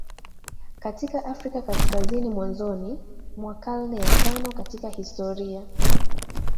katika Afrika Kaskazini mwanzoni mwa karne ya ya tano Katika historia